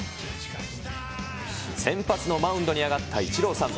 先発のマウンドに上がったイチローさん。